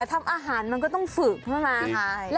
ทำอาหารมันก็ต้องฝึกใช่ไหม